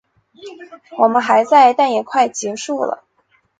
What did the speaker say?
我们还在，但也快结束了